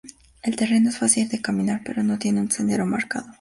El terreno es fácil de caminar, pero no tiene un sendero marcado.